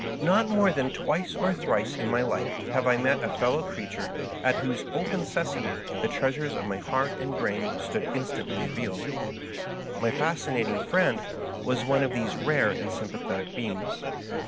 Not more than twice or thrice in my life have I met a fellow creature at whose " Open Sesame" the treasures of my heart and brain stood instantly revealed. My Fascinating Friend was one of these rare and sympathetic beings.